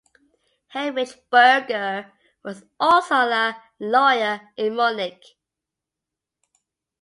Heinrich Burger was also a lawyer in Munich.